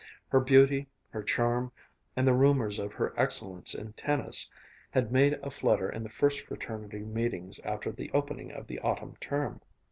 Her beauty, her charm, and the rumors of her excellence in tennis had made a flutter in the first fraternity meetings after the opening of the autumn term.